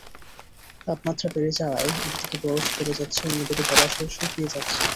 তাপমাত্রা বেড়ে যাওয়ায় একদিকে বরফ গলে যাচ্ছে, অন্যদিকে জলাশয় শুকিয়ে যাচ্ছে।